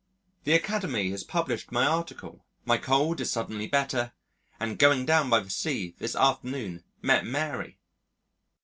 The Academy has published my article, my cold is suddenly better, and going down by the sea this afternoon met Mary